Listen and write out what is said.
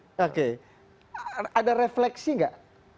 apakah ini refleksi tidak